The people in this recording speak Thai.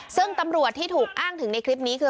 ซึ่งตำรวจที่ถูกอ้างถึงในคลิปนี้คือ